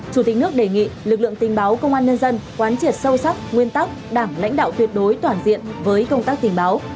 chủ tịch nước đề nghị lực lượng tình báo công an nhân dân quán triệt sâu sắc nguyên tắc đảng lãnh đạo tuyệt đối toàn diện với công tác tình báo